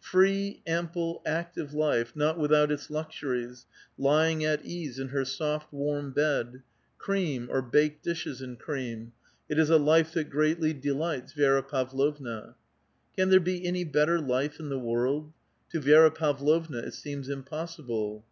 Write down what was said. Free, ample, active life, not without its luxuries ; lying at ease in her soft, warm bed ; cream, or baked dishes and cream ; it is a life that greatly delights Vi^ra Pavlovna. Can there be any better life in the world? To Vi^ra Pav lovna it seems impossible.